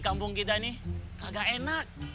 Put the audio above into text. kampung kita ini agak enak